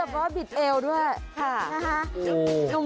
ดูแบบบิดเอวด้วยค่ะ